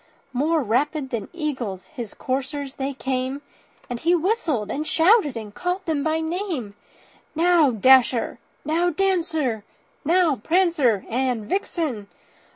More rapid than eagles his coursers they came, And he whistled and shouted, and called them by name; "Now, Dasher! now, Dancer! now, Prancer and Vixen!